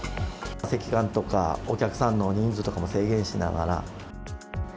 席間とか、お客さんの人数とかも制限しながら。